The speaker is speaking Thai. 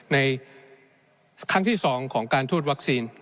ในครั้งที่๒ของการทูตวัคซีน